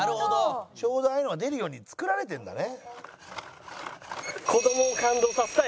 ちょうどああいうのが出るように作られてるんだね。